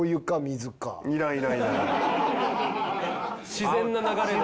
自然な流れで。